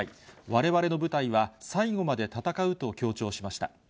われわれの部隊は最後まで戦うと強調しました。